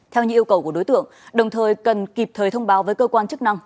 theo như yêu cầu của đối tượng đồng thời cần kịp thời thông báo với cơ quan chức năng